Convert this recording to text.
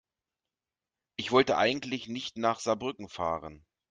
Ich wollte eigentlich nicht nach Saarbrücken fahren